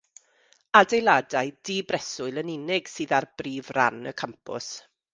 Adeiladau dibreswyl yn unig sydd ar brif ran y campws.